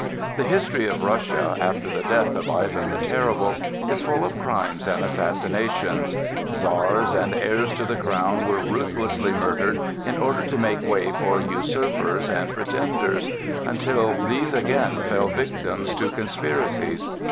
The history of Russia, after the death of Ivan the Terrible, is full of crimes and assassinations. Czars and heirs to the crown were ruthlessly murdered in order to make way for usurpers and pretenders, until these again fell victims to conspiracies.